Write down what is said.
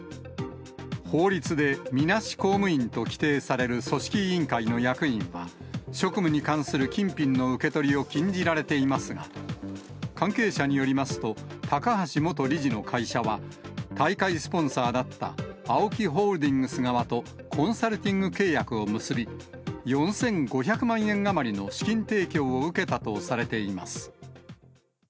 法律でみなし公務員と規定される組織委員会の役員は、職務に関する金品の受け取りを禁じられていますが、関係者によりますと、高橋元理事の会社は、大会スポンサーだったＡＯＫＩホールディングス側とコンサルティング契約を結び、４５００万円余りの資金提供を受けたとされています。